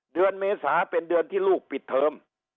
เดือนเมษาเป็นเดือนที่ลูกปิดเทอม